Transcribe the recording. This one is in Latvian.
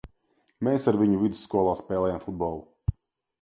Mēs ar viņu vidusskolā spēlējām futbolu.